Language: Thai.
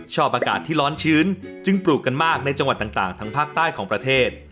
ชอบอากาศที่ร้อนชื้นจึงปลูกกันมากในจังหวัดต่างทางภาคใต้ของประเทศ